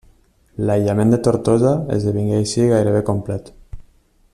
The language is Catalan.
L'aïllament de Tortosa esdevingué així gairebé complet.